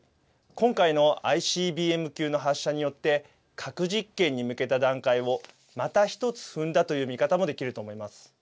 今回のＩＣＢＭ級の発射によって核実験に向けた段階をまた１つ踏んだという見方もできると思います。